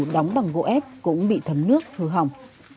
đóng bằng gỗ ép cũng bị thấm nước hư hỏng